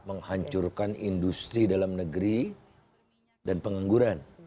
menghancurkan industri dalam negeri dan pengangguran